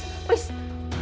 dah dah please please